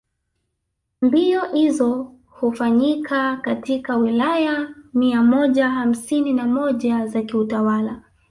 Mbio izo ufanyika katika Wilaya mia moja hamsini na moja za kiutawala